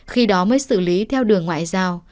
khi đó mới xử lý theo đường ngoại giao